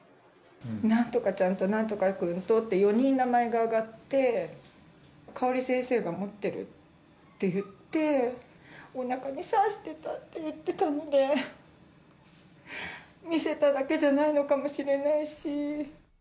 なんとかちゃんとなんとか君とって、４人名前が挙がって、香織先生が持ってるって言って、おなかに刺してたって言ってたんで、見せただけじゃないのかもしれないし。